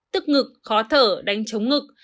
tức ngực khó thở đánh chống ngực